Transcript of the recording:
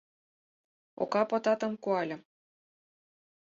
Ока потатым куальым.